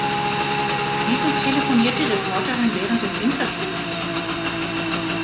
Wieso telefoniert die Reporterin während des Interviews?